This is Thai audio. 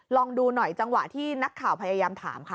ลองดูหน่อยจังหวะที่นักข่าวพยายามถามค่ะ